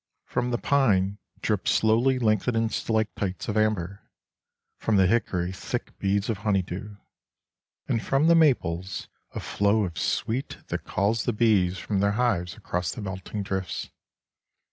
From the pine drip slowly lengthening stalactites of amber, from the hickory thick beads of honeydew, and from the maples a flow of sweet that calls the bees from their hives across the melting drifts.